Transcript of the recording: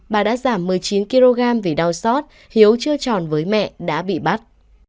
bà đã giảm một mươi chín kg vì đau xót hiếu chưa tròn với mẹ đã bị bắt